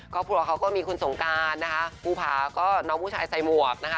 ครอบครัวเขาก็มีคุณสงการนะคะภูผาก็น้องผู้ชายใส่หมวกนะคะ